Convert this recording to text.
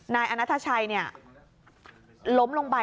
นายอนัทชัยล้มลงไป